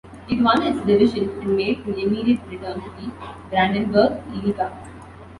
It won its division and made an immediate return to the Brandenburg-Liga.